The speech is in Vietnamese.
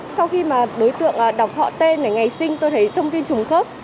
sau khi mà đối tượng đọc họ tên này ngày sinh tôi thấy thông tin trùng khớp